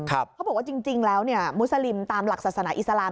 เขาบอกว่าจริงแล้วมุสลิมตามหลักศาสนาอิสลาม